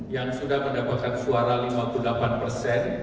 yang sudah mendapatkan suara lima puluh delapan persen